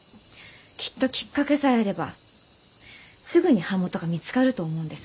きっときっかけさえあればすぐに版元が見つかると思うんです。